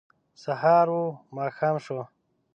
سهار و ماښام شو